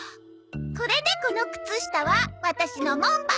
これでこの靴下はワタシのもんばい！